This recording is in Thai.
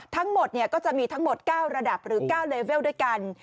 ทั้งหมดก็จะมีทั้งหมด๙ระดับหรือ๙เลเวลด้วยกัน